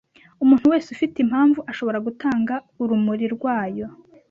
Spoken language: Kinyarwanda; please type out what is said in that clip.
Umuntu wese ufite impamvu ashobora gutanga urumuri rwayo